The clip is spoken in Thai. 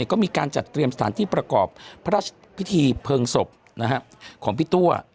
ก็มีการจัดเตรียมสถานที่ประกอบพระราชพิธีเพลิงศพของพี่ตัว